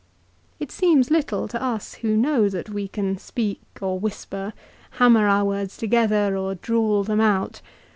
It seems little to us who know that we can speak or whisper, hammer our words together, or drawl them out.